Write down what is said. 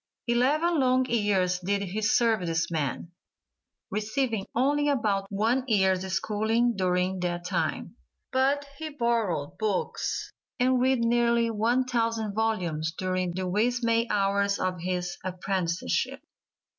Eleven long years did he serve this man, receiving only about one year's schooling during that time, but he borrowed books and read nearly one thousand volumes during the "wee sma' hours" of his apprenticeship.